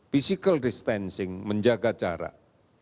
physical distancing menjaga jarak